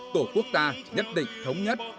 tổ quốc ta nhất định thống nhất